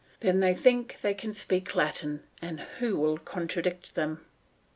Then they think they can speak Latin, and who will contradict them?